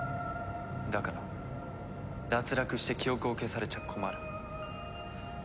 だから脱落して記憶を消されちゃ困る。